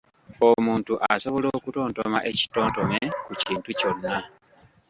Omuntu asobola okutontoma ekitontome ku kintu kyonna.